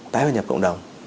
tái vào nhập cộng đồng